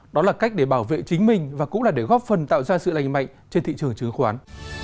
đó là cách để bảo vệ chính mình và cũng là để góp phần tạo ra sự lành mạnh trên thị trường chứng khoán